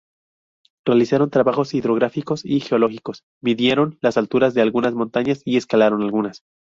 Realizaron trabajos hidrográficos y geológicos, midieron las alturas de algunas montañas y escalaron algunas.